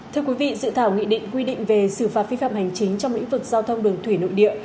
thưa quý vị dự thảo nghị định quy định về xử phạt vi phạm hành chính trong lĩnh vực giao thông đường thủy nội địa